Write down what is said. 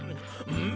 うん。